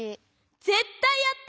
ぜったいやった！